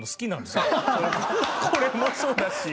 これもそうだし。